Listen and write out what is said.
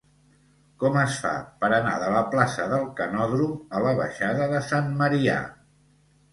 Com es fa per anar de la plaça del Canòdrom a la baixada de Sant Marià?